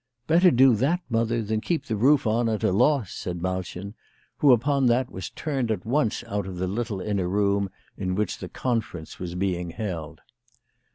" Better do that, mother, than keep the roof on at a loss/' said Malchen ; who upon that was turned at once out of the little inner room in which the conference was being held.